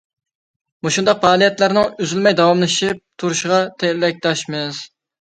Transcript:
مۇشۇنداق پائالىيەتلەرنىڭ ئۈزۈلمەي داۋاملىشىپ تۇرۇشىغا تىلەكداشمەن!